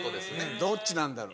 どっちなんだろう。